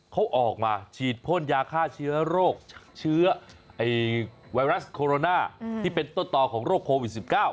เขาออกมาฉีดพ่นยาฆ่าเชื้อโรคเชื้อไวรัสโคโรนาที่เป็นต้นต่อของโรคโควิด๑๙